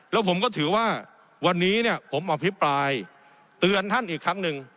แล้วผมก็ถือว่าวันนี้เนี่ยผมอภิปรายเตือนท่านอีกครั้งหนึ่ง